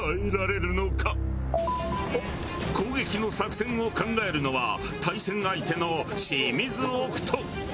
攻撃の作戦を考えるのは対戦相手のシミズオクト。